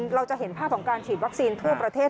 เราจะเห็นภาพของการฉีดวัคซีนทั่วประเทศ